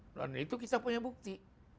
dan itu kita punya bukti